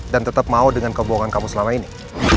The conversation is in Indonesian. dan tetap mau dengan kebohongan kamu selama ini